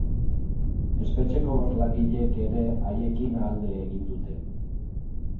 Espetxeko bost langilek ere haiekin alde egin dute.